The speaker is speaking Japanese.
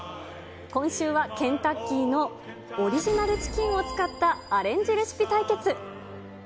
今週はケンタッキーのオリジナルチキンを使ったアレンジレシピ対決。